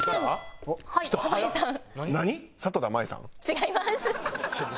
違います。